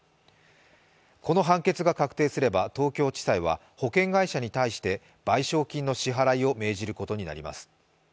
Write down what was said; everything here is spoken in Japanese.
この判決が確定すれば東京地裁は保険会社に対して賠償金の支払いを命じることになります。